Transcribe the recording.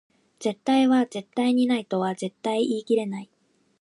絶対は絶対にないとは絶対言い切れない